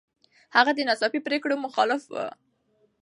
هغه د ناڅاپي پرېکړو مخالف و.